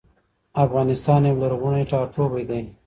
افغانستان يو لرغوني ټاټوبي دي